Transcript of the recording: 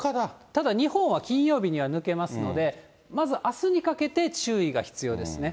ただ、日本は金曜日には抜けますので、まずあすにかけて注意が必要ですね。